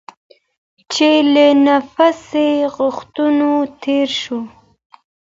چې له نفسي غوښتنو تېر شو.